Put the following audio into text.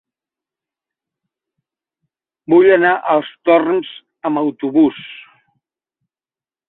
Vull anar als Torms amb autobús.